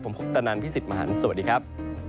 ผมคุปตะนันพี่สิทธิ์มหันฯสวัสดีครับ